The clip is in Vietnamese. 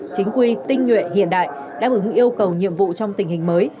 chính quy tinh nhuệ hiện đại đáp ứng yêu cầu nhiệm vụ trong tình hình mới